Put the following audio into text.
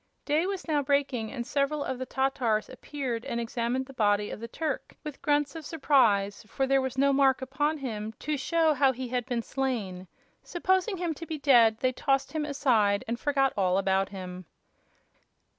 Day was now breaking, and several of the Tatars appeared and examined the body of the Turk with grunts of surprise, for there was no mark upon him to show how he had been slain. Supposing him to be dead, they tossed him aside and forgot all about him.